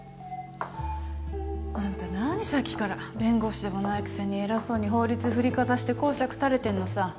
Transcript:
あんた何さっきから弁護士でもないくせに偉そうに法律振りかざして講釈垂れてんのさ。